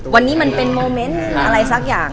วันนี้มันเป็นโมเมนต์อะไรสักอย่าง